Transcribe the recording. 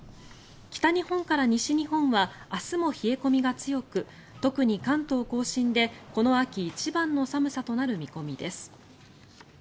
北日本から西日本は明日も冷え込みが強く特に関東・甲信でこの秋一番の寒さとなる見込みです。